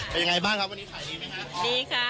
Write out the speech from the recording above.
เป็นยังไงบ้างครับวันนี้ขายดีไหมคะดีค่ะ